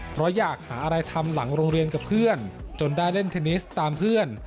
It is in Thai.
เพราะอยากหาอะไรทำหลังโรงเรียนกับเพื่อนจนได้เล่นเทนนิสตามเพื่อน